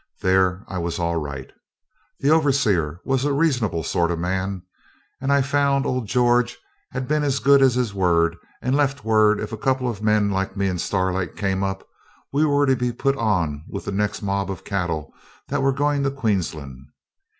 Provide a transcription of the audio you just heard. There I was all right. The overseer was a reasonable sort of man, and I found old George had been as good as his word, and left word if a couple of men like me and Starlight came up we were to be put on with the next mob of cattle that were going to Queensland.